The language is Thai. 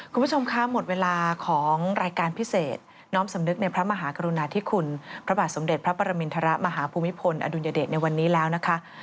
คุณผู้ชมคะหมดเวลาของรายการพิเศษน้อมสำนึกในพระมหากรุณาธิคุณพระบาทสมเด็จพระปรมินทรมาฮภูมิพลอดุลยเดชในวันนี้แล้วนะคะ